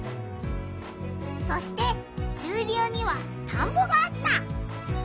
そして中流にはたんぼがあった。